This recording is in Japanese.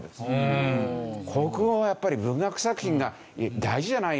国語はやっぱり文学作品が大事じゃないの？